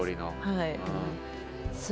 はい。